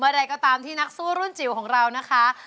อะไรก็ตามที่นักสู้รุ่นจิ๋วของเรานะคะ